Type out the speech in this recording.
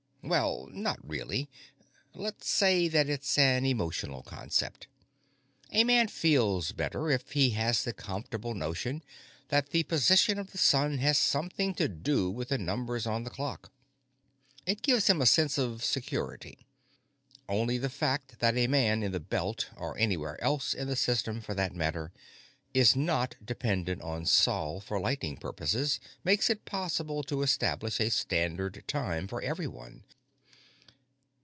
Well, not really. Let's say that it's an emotional concept. A man feels better if he has the comfortable notion that the position of the sun has something to do with the numbers on the clock. It gives him a sense of security. Only the fact that a man in the Belt or anywhere else in the System, for that matter is not dependent on Sol for lighting purposes makes it possible to establish a Standard Time for everyone.